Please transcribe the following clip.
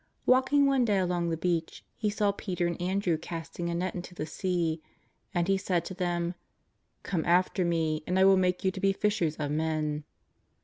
Walking one day along the beach, He saw Peter and Andrew casting a net into the sea. And He said to them: ^' Come after Me and I will make you to be fishers of men."